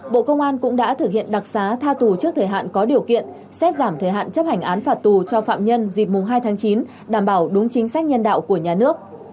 bộ công an cũng đã thực hiện đặc xá tha tù trước thời hạn có điều kiện xét giảm thời hạn chấp hành án phạt tù cho phạm nhân dịp mùng hai tháng chín đảm bảo đúng chính sách nhân đạo của nhà nước